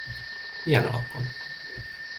Milyen alapon?